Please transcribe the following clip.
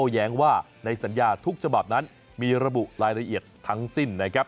หมอโตแย้งว่าในสัญญาทุกฉบับนั้นมีระบุรายละเอียดทั้งสิ้น